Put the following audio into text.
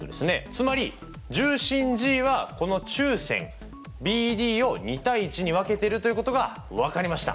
つまり重心Ｇはこの中線ＢＤを２：１に分けてるということが分かりました。